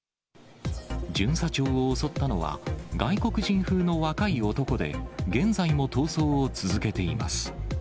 巡査長を襲ったのは、外国人風の若い男で、現在も逃走を続けています。